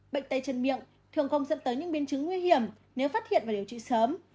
bệnh tay chân miệng thường không dẫn tới những biến chứng nguy hiểm nếu phát hiện và điều trị sớm